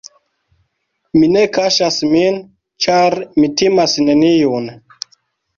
Mi ne kaŝas min, ĉar mi timas neniun.